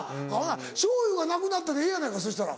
「しょうゆがなくなった」でええやないかそしたら。